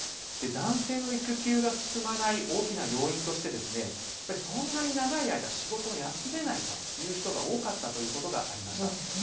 男性の育休が進まない大きな要因としてそんなに長い間、仕事を休めないという人が多かったということがありました。